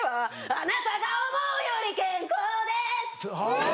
あなたが思うより健康ですあぁ！